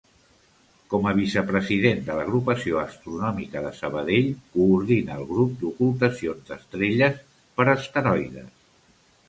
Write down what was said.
Com a vicepresident de l'Agrupació Astronòmica de Sabadell coordina el grup d'ocultacions d'estrelles per asteroides.